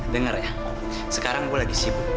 dengar ya sekarang gue lagi sibuk